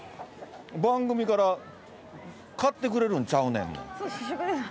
番組から買ってくれるんちゃうねんもん。